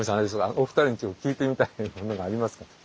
お二人に今日聞いてみたいものがありますか？